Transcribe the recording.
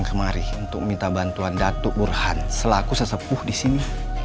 kita bantuan dato burhan selaku sesepuh disini